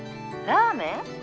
ラーメン？